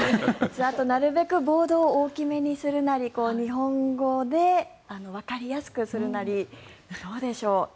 なるべくボードを大きめにするなり日本語でわかりやすくするなりどうでしょう。